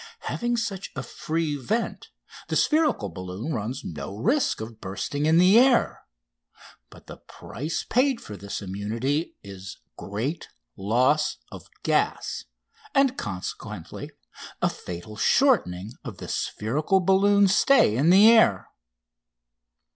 Having such a free vent, the spherical balloon runs no risk of bursting in the air; but the price paid for this immunity is great loss of gas and, consequently, a fatal shortening of the spherical balloon's stay in the air.